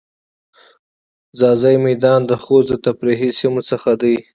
ځاځی میدان د خوست د تفریحی سیمو څخه ده.